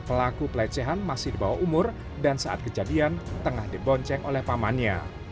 pelaku pelecehan masih di bawah umur dan saat kejadian tengah dibonceng oleh pamannya